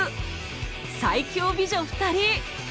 最強美女２人！